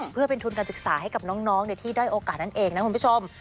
เพื่อเป็นทุนการศึกษาให้กับน้องที่ด้อยโอกาสนั่นเองนะคุณผู้ชม